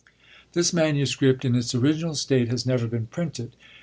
This manuscript, in its original state, has never been printed.